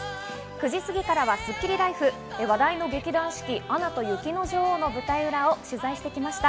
９時すぎからはスッキリＬＩＦＥ、話題の劇団四季『アナと雪の女王』の舞台裏を取材しました。